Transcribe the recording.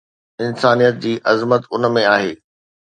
انسانيت جي عظمت ان ۾ آهي